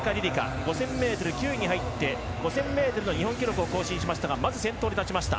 ５０００ｍ９位に入って５０００ｍの日本記録を更新しましたがまず先頭に立ちました。